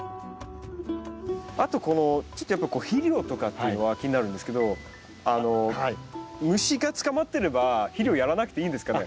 あとこの肥料とかっていうのは気になるんですけどあの虫が捕まってれば肥料やらなくていいんですかね？